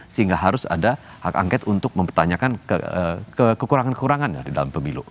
sehingga harus ada hak angket untuk mempertanyakan kekurangan kekurangannya di dalam pemilu